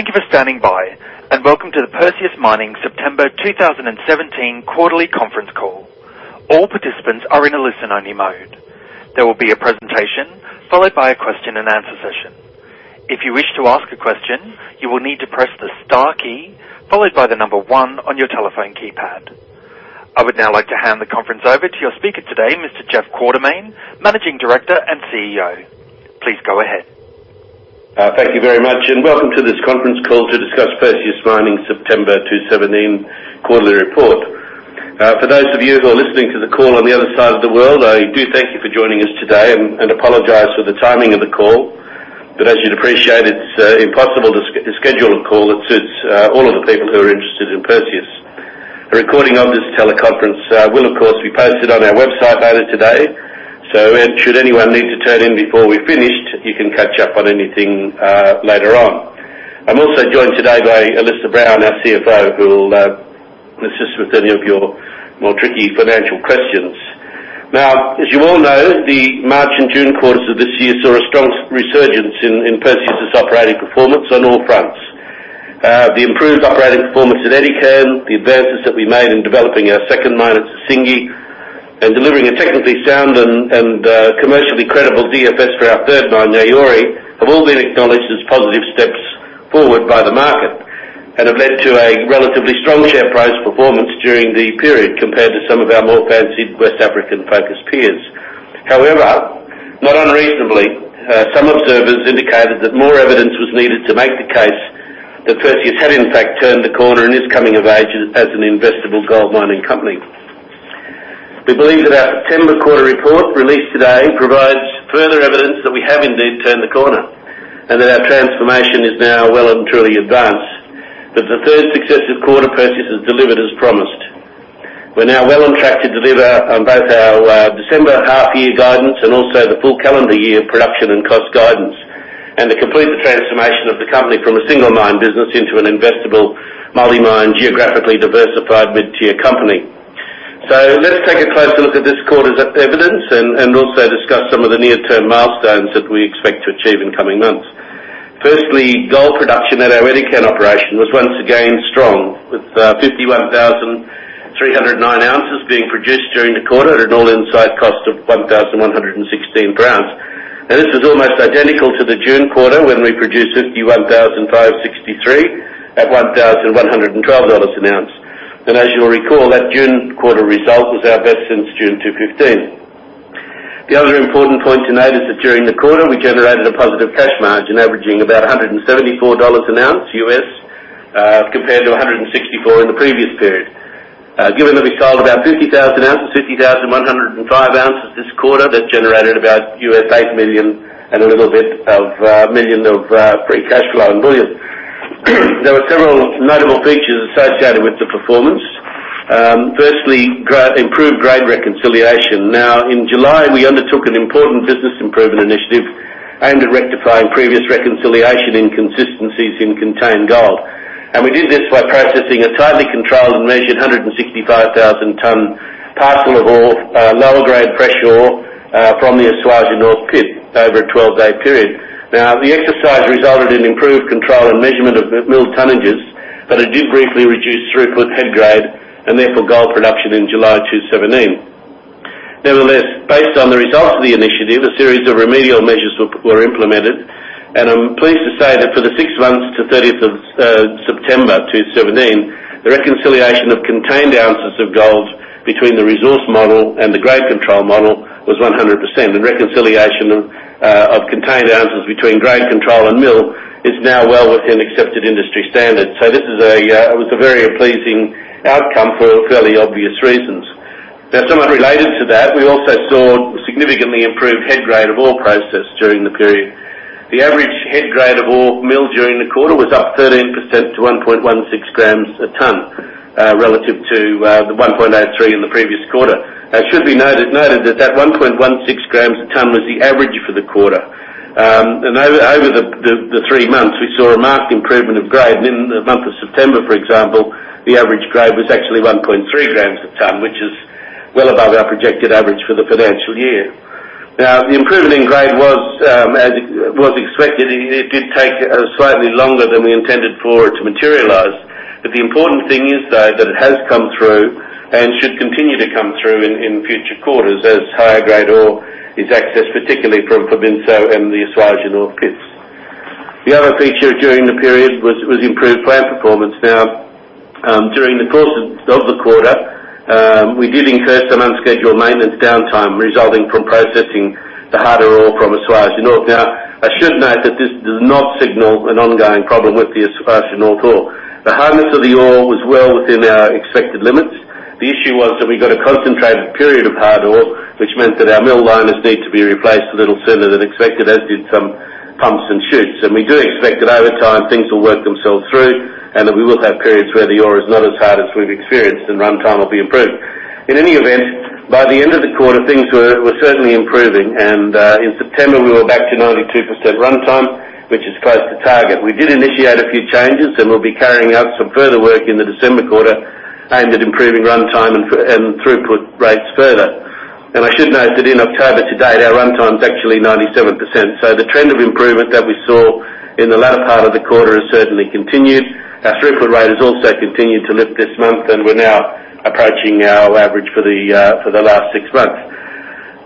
Thank you for standing by, and welcome to the Perseus Mining September 2017 Quarterly Conference Call. All participants are in a listen-only mode. There will be a presentation followed by a question-and-answer session. If you wish to ask a question, you will need to press the star key followed by the number one on your telephone keypad. I would now like to hand the conference over to your speaker today, Mr. Jeff Quartermaine, Managing Director and CEO. Please go ahead. Thank you very much, and welcome to this conference call to discuss Perseus Mining September 2017 Quarterly Report. For those of you who are listening to the call on the other side of the world, I do thank you for joining us today and apologize for the timing of the call, but as you'd appreciate, it's impossible to schedule a call that suits all of the people who are interested in Perseus. A recording of this teleconference will, of course, be posted on our website later today, so should anyone need to tune in before we're finished, you can catch up on anything later on. I'm also joined today by Elissa Brown, our CFO, who will assist with any of your more tricky financial questions. Now, as you all know, the March and June quarters of this year saw a strong resurgence in Perseus operating performance on all fronts. The improved operating performance at Edikan, the advances that we made in developing our second mine at Sissingué, and delivering a technically sound and commercially credible DFS for our third mine, Yaouré, have all been acknowledged as positive steps forward by the market and have led to a relatively strong share price performance during the period compared to some of our more fancy West African-focused peers. However, not unreasonably, some observers indicated that more evidence was needed to make the case that Perseus had, in fact, turned the corner in this coming of age as an investable gold mining company. We believe that our September quarter report released today provides further evidence that we have indeed turned the corner and that our transformation is now well and truly advanced, that the third successive quarter Perseus has delivered as promised. We're now well on track to deliver on both our December half-year guidance and also the full calendar year production and cost guidance, and to complete the transformation of the company from a single mine business into an investable, multi-mine, geographically diversified mid-tier company, so let's take a closer look at this quarter's evidence and also discuss some of the near-term milestones that we expect to achieve in coming months. Firstly, gold production at our Edikan operation was once again strong, with 51,309 ounces being produced during the quarter at an All-In Site Cost of 1,116 grams. And this was almost identical to the June quarter when we produced 51,563 at 1,112 an ounce, and as you'll recall, that June quarter result was our best since June 2015. The other important point to note is that during the quarter we generated a positive cash margin averaging about $174 per ounce USD compared to $164 in the previous period. Given that we sold about 50,000 ounces of 50,105 ounces this quarter, that generated about $8 million and a little bit of million of free cash flow in volume. There were several notable features associated with the performance. Firstly, improved grade reconciliation. Now, in July, we undertook an important business improvement initiative aimed at rectifying previous reconciliation inconsistencies in contained gold. We did this by processing a tightly controlled and measured 165,000-ton parcel of ore, lower grade fresh ore, from the Esuajah North Pit, over a 12-day period. Now, the exercise resulted in improved control and measurement of milled tonnages, but it did briefly reduce throughput head grade and therefore gold production in July 2017. Nevertheless, based on the results of the initiative, a series of remedial measures were implemented, and I'm pleased to say that for the six months to 30th of September 2017, the reconciliation of contained ounces of gold between the resource model and the grade control model was 100%. And reconciliation of contained ounces between grade control and mill is now well within accepted industry standards. So this was a very pleasing outcome for fairly obvious reasons. Now, somewhat related to that, we also saw significantly improved head grade of ore processed during the period. The average head grade of ore milled during the quarter was up 13% to 1.16 grams a ton relative to the 1.03 in the previous quarter. It should be noted that that 1.16 grams a ton was the average for the quarter. And over the three months, we saw a marked improvement of grade. In the month of September, for example, the average grade was actually 1.3 grams a ton, which is well above our projected average for the financial year. Now, the improvement in grade was expected. It did take slightly longer than we intended for it to materialize. The important thing is, though, that it has come through and should continue to come through in future quarters as higher grade ore is accessed, particularly from Fobinso and the Esuajah North Pits. The other feature during the period was improved plant performance. Now, during the course of the quarter, we did incur some unscheduled maintenance downtime resulting from processing the harder ore from Esuajah North. Now, I should note that this does not signal an ongoing problem with the Esuajah North ore. The hardness of the ore was well within our expected limits. The issue was that we got a concentrated period of hard ore, which meant that our mill liners need to be replaced a little sooner than expected, as did some pumps and chutes, and we do expect that over time things will work themselves through and that we will have periods where the ore is not as hard as we've experienced and runtime will be improved. In any event, by the end of the quarter, things were certainly improving, and in September we were back to 92% runtime, which is close to target. We did initiate a few changes and will be carrying out some further work in the December quarter aimed at improving runtime and throughput rates further, and I should note that in October to date, our runtime is actually 97%. So the trend of improvement that we saw in the latter part of the quarter has certainly continued. Our throughput rate has also continued to lift this month, and we're now approaching our average for the last six months.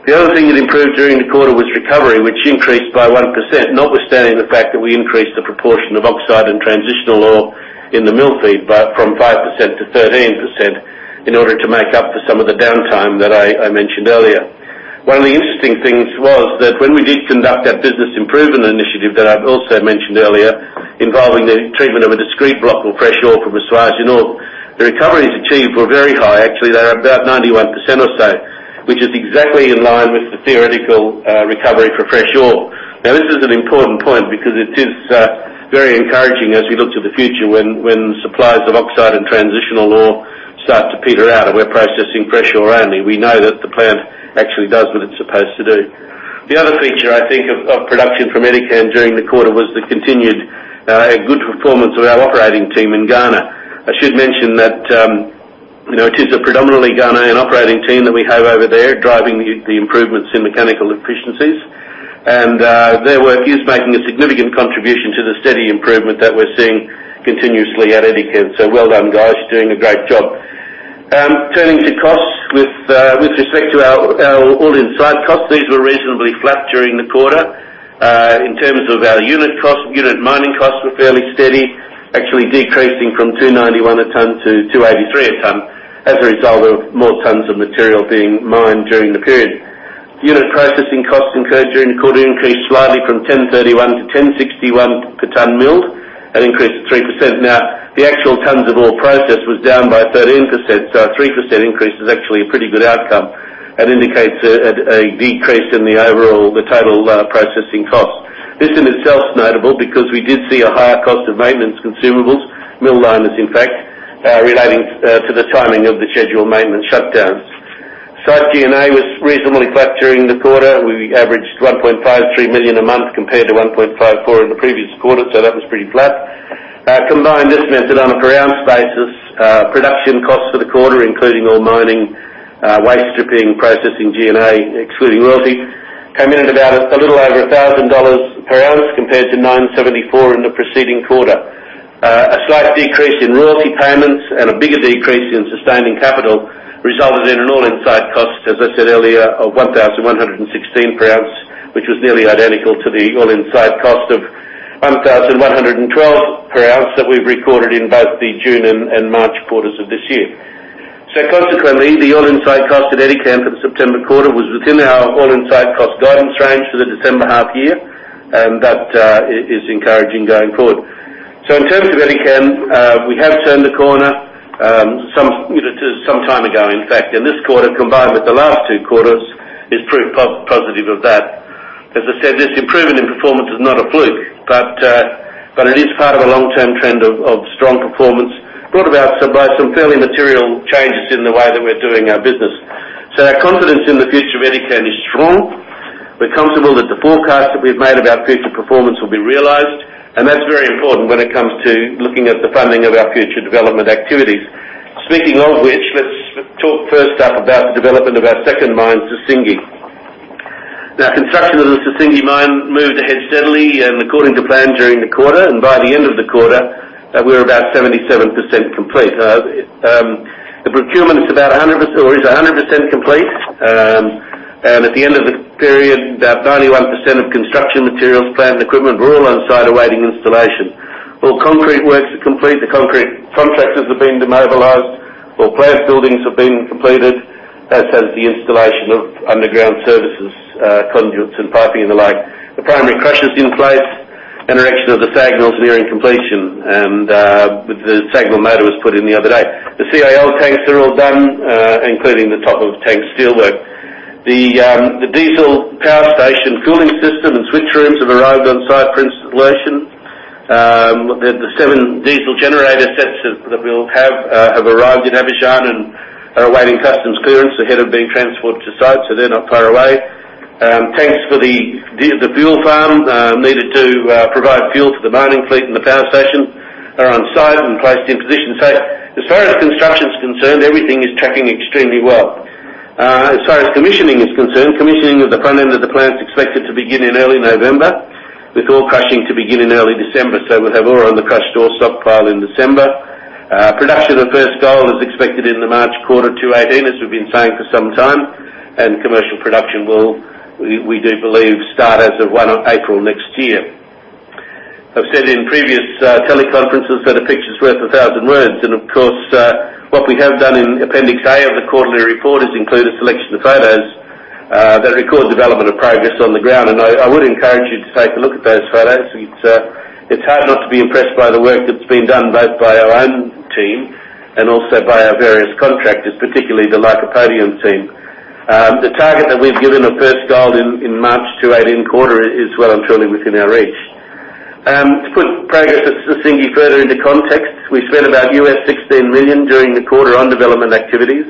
The other thing that improved during the quarter was recovery, which increased by 1%, notwithstanding the fact that we increased the proportion of oxide and transitional ore in the mill feed, but from 5%-13% in order to make up for some of the downtime that I mentioned earlier. One of the interesting things was that when we did conduct that business improvement initiative that I've also mentioned earlier, involving the treatment of a discrete block of fresh ore from Esuajah North, the recoveries achieved were very high. Actually, they were about 91% or so, which is exactly in line with the theoretical recovery for fresh ore. Now, this is an important point because it is very encouraging as we look to the future when supplies of oxide and transitional ore start to peter out and we're processing fresh ore only. We know that the plant actually does what it's supposed to do. The other feature, I think, of production from Edikan during the quarter was the continued good performance of our operating team in Ghana. I should mention that it is a predominantly Ghanaian operating team that we have over there driving the improvements in mechanical efficiencies, and their work is making a significant contribution to the steady improvement that we're seeing continuously at Edikan. So well done, guys. You're doing a great job. Turning to costs with respect to our all-in site costs, these were reasonably flat during the quarter. In terms of our unit costs, unit mining costs were fairly steady, actually decreasing from $291 a ton to $283 a ton as a result of more tons of material being mined during the period. Unit processing costs incurred during the quarter increased slightly from $1,031 to $1,061 per ton milled and increased 3%. Now, the actual tons of ore processed was down by 13%, so a 3% increase is actually a pretty good outcome and indicates a decrease in the overall total processing costs. This in itself is notable because we did see a higher cost of maintenance consumables, mill liners in fact, relating to the timing of the scheduled maintenance shutdowns. Site G&A was reasonably flat during the quarter. We averaged $1.53 million a month compared to $1.54 in the previous quarter, so that was pretty flat. Combined, this meant that on a per-ounce basis, production costs for the quarter, including all mining, waste stripping, processing G&A, excluding royalty, came in at about a little over $1,000 per ounce compared to $974 in the preceding quarter. A slight decrease in royalty payments and a bigger decrease in sustaining capital resulted in an all-in site cost, as I said earlier, of $1,116 per ounce, which was nearly identical to the all-in site cost of $1,112 per ounce that we've recorded in both the June and March quarters of this year. So consequently, the all-in site cost at Edikan for the September quarter was within our all-in site cost guidance range for the December half-year, and that is encouraging going forward. So in terms of Edikan, we have turned the corner some time ago, in fact, and this quarter, combined with the last two quarters, is proof positive of that. As I said, this improvement in performance is not a fluke, but it is part of a long-term trend of strong performance brought about by some fairly material changes in the way that we're doing our business. So our confidence in the future of Edikan is strong. We're comfortable that the forecast that we've made about future performance will be realized, and that's very important when it comes to looking at the funding of our future development activities. Speaking of which, let's talk first up about the development of our second mine, Sissingué. Now, construction of the Sissingué mine moved ahead steadily and according to plan during the quarter, and by the end of the quarter, we were about 77% complete. The procurement is about 100% complete, and at the end of the period, about 91% of construction materials, plant and equipment were all on site awaiting installation. All concrete works are complete. The concrete contractors have been demobilized. All plant buildings have been completed, as has the installation of underground services, conduits, and piping and the like. The primary crusher is in place. Installation of the SAG mill is nearing completion, and the SAG mill motor was put in the other day. The CIL tanks are all done, including the top of the tank steelwork. The diesel power station cooling system and switch rooms have arrived on site for installation. The seven diesel generator sets that we'll have have arrived in Abidjan and are awaiting customs clearance ahead of being transported to site, so they're not far away. Tanks for the fuel farm needed to provide fuel for the mining fleet and the power station are on site and placed in position, so as far as construction is concerned, everything is tracking extremely well. As far as commissioning is concerned, commissioning of the front end of the plant is expected to begin in early November, with all crushing to begin in early December. So we'll have ore on the crushed ore stockpile in December. Production of first gold is expected in the March quarter 2018, as we've been saying for some time, and commercial production will, we do believe, start as of April next year. I've said in previous teleconferences that a picture's worth a thousand words, and of course, what we have done in Appendix A of the quarterly report has included a selection of photos that record development of progress on the ground, and I would encourage you to take a look at those photos. It's hard not to be impressed by the work that's been done, both by our own team and also by our various contractors, particularly the Lycopodium team. The target that we've given of first gold in March 2018 quarter is well and truly within our reach. To put progress at Sissingué further into context, we spent about $16 million during the quarter on development activities,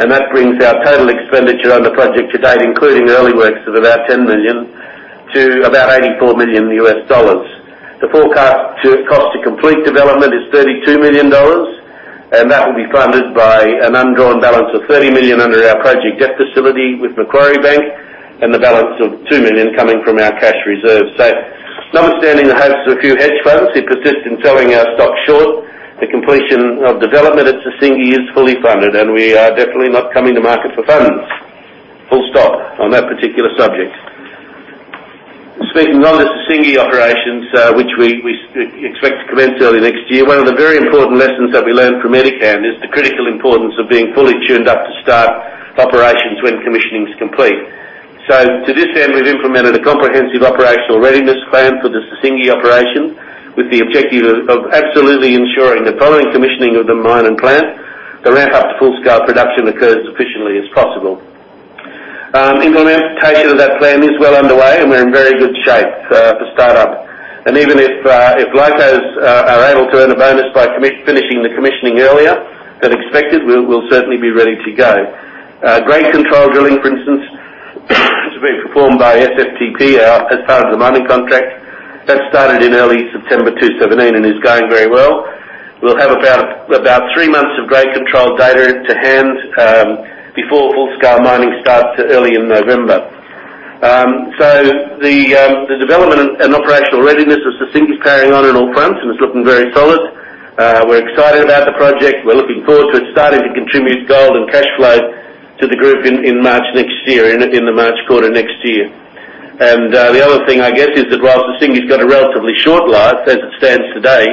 and that brings our total expenditure on the project to date, including early works, of about $10 million to about $84 million. The forecast cost to complete development is $32 million, and that will be funded by an undrawn balance of $30 million under our project debt facility with Macquarie Bank and the balance of $2 million coming from our cash reserve. So notwithstanding the hopes of a few hedge funds who persist in selling our stock short the completion of development at Sissingué is fully funded, and we are definitely not coming to market for funds. Full stop on that particular subject. Speaking of the Sissingué operations, which we expect to commence early next year, one of the very important lessons that we learned from Edikan is the critical importance of being fully tuned up to start operations when commissioning is complete, so to this end, we've implemented a comprehensive operational readiness plan for the Sissingué operation with the objective of absolutely ensuring the following commissioning of the mine and plant, the ramp-up to full-scale production occurs as efficiently as possible. Implementation of that plan is well underway, and we're in very good shape for start-up, and even if Lycopodium are able to earn a bonus by finishing the commissioning earlier than expected, we'll certainly be ready to go. Grade control drilling for instance has been performed by SFTP as part of the mining contract that started in early September 2017 and is going very well. We'll have about three months of grade control data to hand before full-scale mining starts early in November. So the development and operational readiness of Sissingué is carrying on on all fronts and is looking very solid. We're excited about the project. We're looking forward to it starting to contribute gold and cash flow to the group in March next year, in the March quarter next year. And the other thing, I guess, is that while Sissingué's got a relatively short life, as it stands today,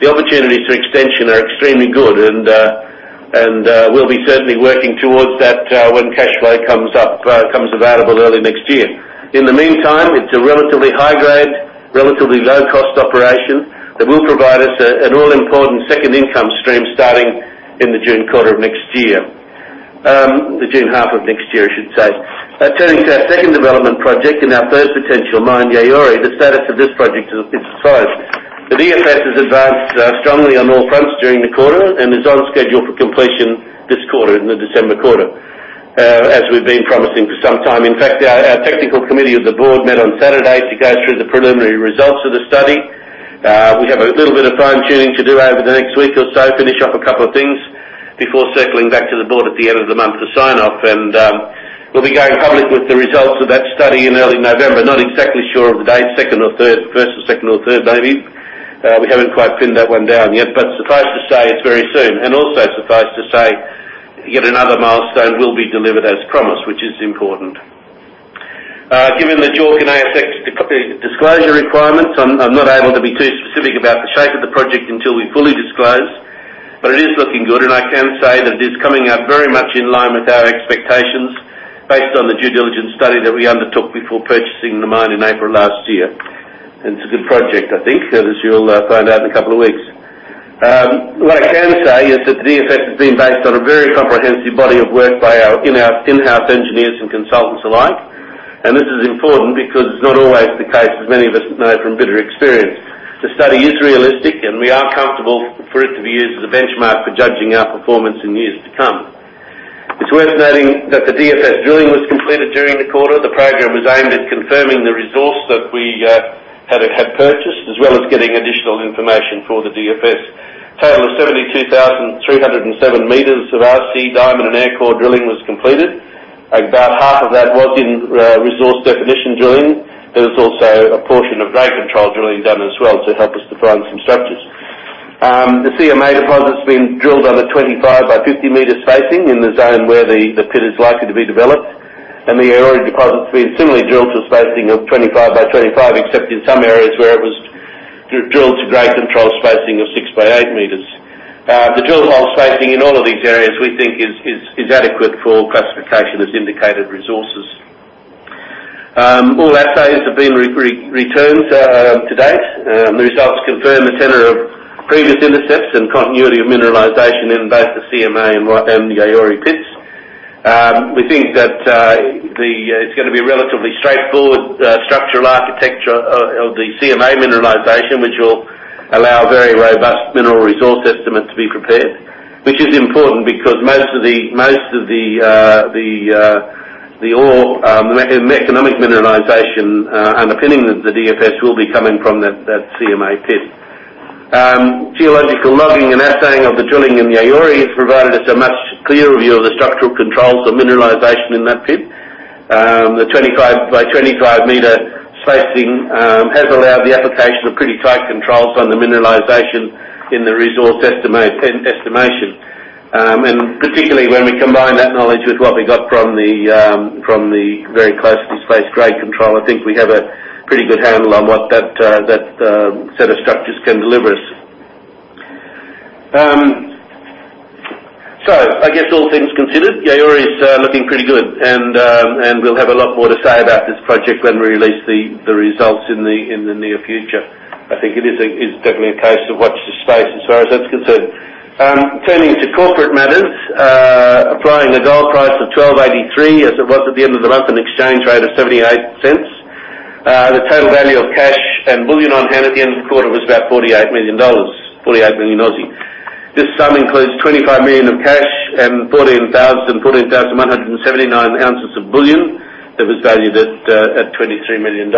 the opportunities for extension are extremely good, and we'll be certainly working towards that when cash flow comes available early next year. In the meantime, it's a relatively high-grade, relatively low-cost operation that will provide us an all-important second income stream starting in the June quarter of next year, the June half of next year, I should say. Turning to our second development project and our third potential mine, Yaouré, the status of this project is exciting. The DFS has advanced strongly on all fronts during the quarter and is on schedule for completion this quarter, in the December quarter, as we've been promising for some time. In fact, our technical committee of the board met on Saturday to go through the preliminary results of the study. We have a little bit of fine-tuning to do over the next week or so, finish off a couple of things before circling back to the board at the end of the month to sign off, and we'll be going public with the results of that study in early November. Not exactly sure of the date, second or third, first or second or third, maybe. We haven't quite pinned that one down yet, but suffice to say it's very soon. Also suffice to say yet another milestone will be delivered as promised, which is important. Given the JORC and ASX disclosure requirements, I'm not able to be too specific about the shape of the project until we fully disclose, but it is looking good, and I can say that it is coming up very much in line with our expectations based on the due diligence study that we undertook before purchasing the mine in April last year. It's a good project, I think, as you'll find out in a couple of weeks. What I can say is that the DFS has been based on a very comprehensive body of work by our in-house engineers and consultants alike, and this is important because it's not always the case, as many of us know from bitter experience. The study is realistic, and we are comfortable for it to be used as a benchmark for judging our performance in years to come. It's worth noting that the DFS drilling was completed during the quarter. The program was aimed at confirming the resource that we had purchased, as well as getting additional information for the DFS. A total of 72,307 meters of RC, diamond, and Aircore drilling was completed. About half of that was in resource definition drilling. There was also a portion of grade control drilling done as well to help us define some structures. The CMA deposit's been drilled on a 25 by 50 meter spacing in the zone where the pit is likely to be developed, and the Yaouré deposit's been similarly drilled to a spacing of 25 by 25, except in some areas where it was drilled to grade control spacing of 6 by 8 meters. The drill hole spacing in all of these areas, we think, is adequate for classification as indicated resources. All assays have been returned to date. The results confirm the tenor of previous intercepts and continuity of mineralization in both the CMA and Yaouré pits. We think that it's going to be a relatively straightforward structural architecture of the CMA mineralization, which will allow a very robust mineral resource estimate to be prepared, which is important because most of the ore and mechanical mineralization underpinning the DFS will be coming from that CMA pit. Geological logging and assaying of the drilling in Yaouré has provided us a much clearer view of the structural controls of mineralization in that pit. The 25 by 25 meter spacing has allowed the application of pretty tight controls on the mineralization in the resource estimation, and particularly when we combine that knowledge with what we got from the very closely spaced grade control, I think we have a pretty good handle on what that set of structures can deliver us, so I guess all things considered, Yaouré's looking pretty good, and we'll have a lot more to say about this project when we release the results in the near future. I think it is definitely a case of watch this space as far as that's concerned. Turning to corporate matters, applying a gold price of $1,283 as it was at the end of the month and an exchange rate of $0.78, the total value of cash and bullion on hand at the end of the quarter was about $48 million, AUD 48 million. This sum includes $25 million of cash and 14,179 ounces of bullion that was valued at $23 million.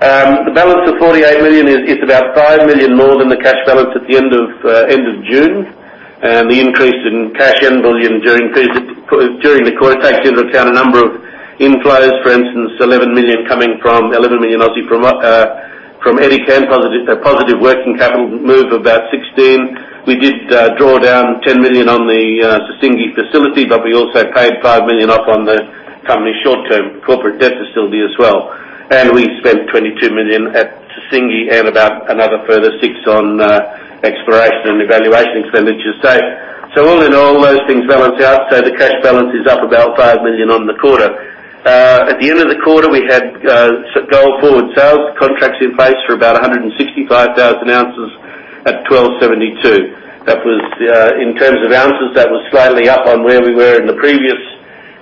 The balance of $48 million is about $5 million more than the cash balance at the end of June, and the increase in cash and bullion during the quarter takes into account a number of inflows, for instance, $11 million coming from 11 million from Edikan, positive working capital move of about 16. We did draw down $10 million on the Sissingué facility, but we also paid $5 million off on the company's short-term corporate debt facility as well. We spent $22 million at Sissingué and about another further $6 million on exploration and evaluation expenditures. So all in all, those things balance out, so the cash balance is up about $5 million on the quarter. At the end of the quarter, we had gold forward sales contracts in place for about 165,000 ounces at $1,272. In terms of ounces, that was slightly up on where we were in the previous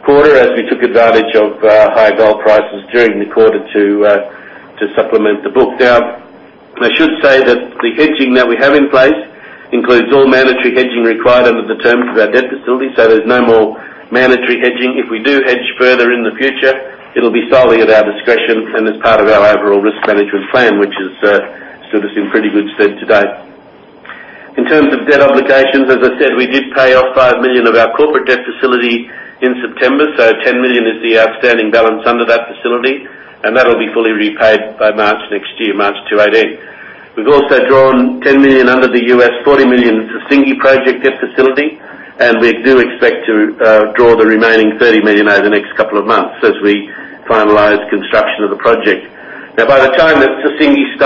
quarter as we took advantage of high gold prices during the quarter to supplement the book. Now, I should say that the hedging that we have in place includes all mandatory hedging required under the terms of our debt facility, so there's no more mandatory hedging. If we do hedge further in the future, it'll be solely at our discretion and as part of our overall risk management plan, which has stood us in pretty good stead today. In terms of debt obligations, as I said, we did pay off $5 million of our corporate debt facility in September, so $10 million is the outstanding balance under that facility, and that'll be fully repaid by March next year, March 2018. We've also drawn $10 million under the $40 million Sissingué project debt facility, and we do expect to draw the remaining $30 million over the next couple of months as we finalize construction of the project. Now, by the time that Sissingué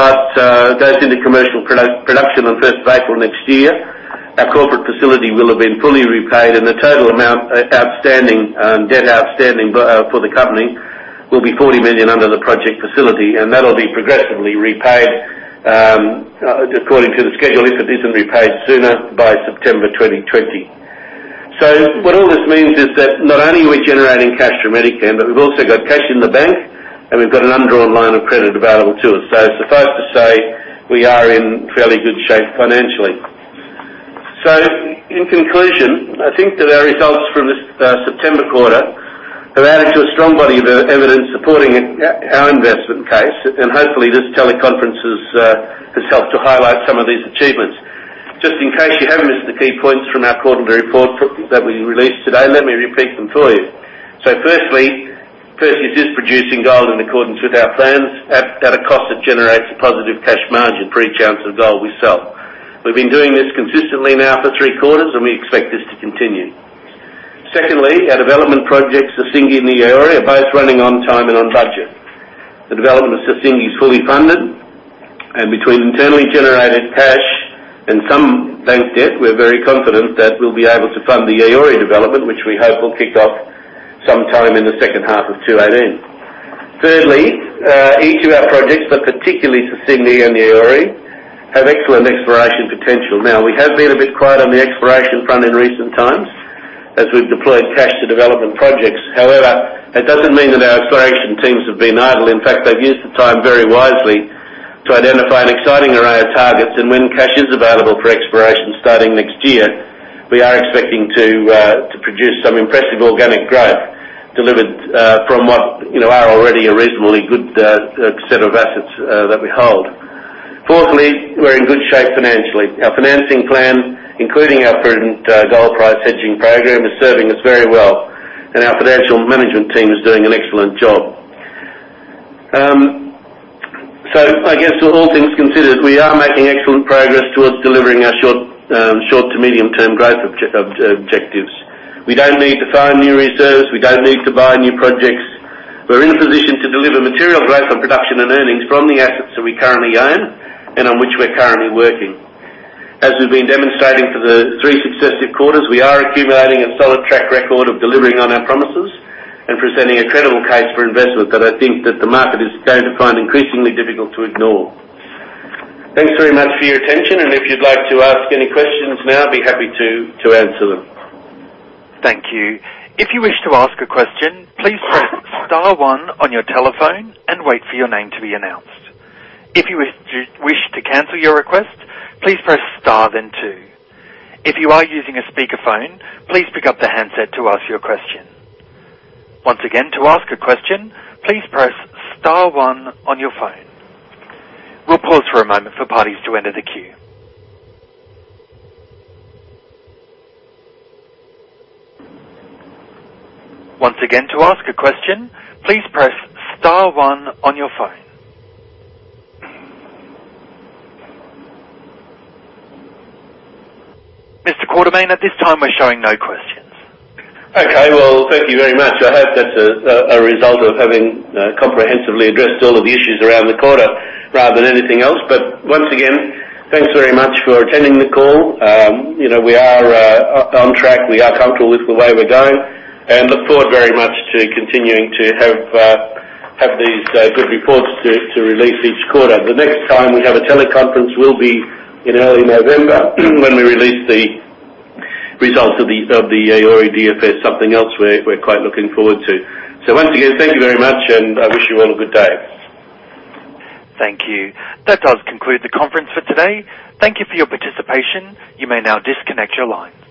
goes into commercial production on 1st of April next year, our corporate facility will have been fully repaid, and the total outstanding debt for the company will be $40 million under the project facility, and that'll be progressively repaid according to the schedule if it isn't repaid sooner by September 2020. So what all this means is that not only are we generating cash from Edikan, but we've also got cash in the bank, and we've got an undrawn line of credit available to us. So suffice to say we are in fairly good shape financially. So in conclusion, I think that our results from this September quarter have added to a strong body of evidence supporting our investment case, and hopefully this teleconference has helped to highlight some of these achievements. Just in case you haven't missed the key points from our quarterly report that we released today, let me repeat them for you. So firstly, Perseus is producing gold in accordance with our plans at a cost that generates a positive cash margin for each ounce of gold we sell. We've been doing this consistently now for three quarters, and we expect this to continue. Secondly, our development projects Sissingué and Yaouré are both running on time and on budget. The development of Sissingué is fully funded, and between internally generated cash and some bank debt, we're very confident that we'll be able to fund the Yaouré development, which we hope will kick off sometime in the second half of 2018. Thirdly, each of our projects, but particularly Sissingué and Yaouré, have excellent exploration potential. Now, we have been a bit quiet on the exploration front in recent times as we've deployed cash to development projects. However, that doesn't mean that our exploration teams have been idle. In fact, they've used the time very wisely to identify an exciting array of targets, and when cash is available for exploration starting next year, we are expecting to produce some impressive organic growth delivered from what are already a reasonably good set of assets that we hold. Fourthly, we're in good shape financially. Our financing plan, including our current gold price hedging program, is serving us very well, and our financial management team is doing an excellent job. So I guess all things considered, we are making excellent progress towards delivering our short to medium-term growth objectives. We don't need to find new reserves. We don't need to buy new projects. We're in a position to deliver material growth on production and earnings from the assets that we currently own and on which we're currently working. As we've been demonstrating for the three successive quarters, we are accumulating a solid track record of delivering on our promises and presenting a credible case for investment that I think that the market is going to find increasingly difficult to ignore. Thanks very much for your attention, and if you'd like to ask any questions now, I'd be happy to answer them. Thank you. If you wish to ask a question, please press star one on your telephone and wait for your name to be announced. If you wish to cancel your request, please press star then two. If you are using a speakerphone, please pick up the handset to ask your question. Once again, to ask a question, please press star one on your phone. We'll pause for a moment for parties to enter the queue. Once again, to ask a question, please press star one on your phone. Mr. Quartermaine, at this time, we're showing no questions. Okay. Well, thank you very much. I hope that's a result of having comprehensively addressed all of the issues around the quarter rather than anything else. But once again, thanks very much for attending the call. We are on track. We are comfortable with the way we're going and look forward very much to continuing to have these good reports to release each quarter. The next time we have a teleconference will be in early November when we release the results of the Yaouré DFS, something else we're quite looking forward to. So once again, thank you very much, and I wish you all a good day. Thank you. That does conclude the conference for today. Thank you for your participation. You may now disconnect your line.